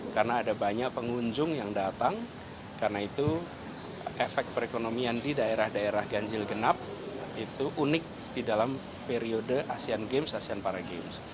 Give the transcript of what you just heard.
karena ada banyak pengunjung yang datang karena itu efek perekonomian di daerah daerah ganjil genap itu unik di dalam periode asean games dan asean para games